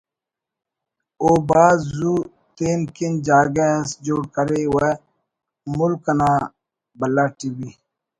او بھاز زُو تین کن جاگہ اس جوڑ کرے و ملک انا بھلا ٹی وی